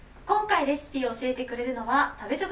今回、レシピを教えてくれるのは食べ